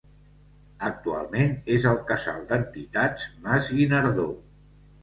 Actualment és el Casal d'Entitats Mas Guinardó.